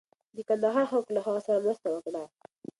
د کندهار خلکو له هغه سره مرسته وکړه.